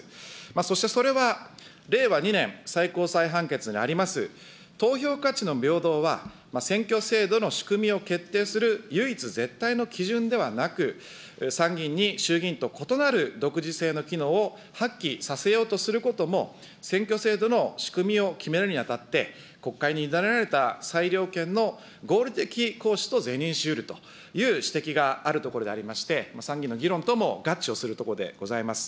そして、それは令和２年、最高裁判決にあります、投票価値の平等は、選挙制度の仕組みを決定する唯一絶対の基準ではなく、参議院に衆議院と異なる独自性の機能を発揮させようとすることも、選挙制度の仕組みを決めるにあたって、国会に委ねられた裁量権の合理的行使と是認しうると、指摘があるところでありまして、参議院の議論とも合致をするところでございます。